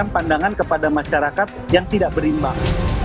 pandangan kepada masyarakat yang tidak berimbang